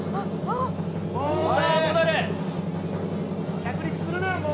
着陸するな、もう。